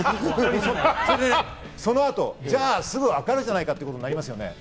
そのあと、じゃあ分かるじゃないかということになりますよね。